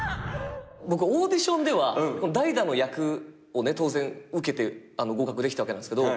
僕オーディションではダイダの役を当然受けて合格できたわけなんですけど。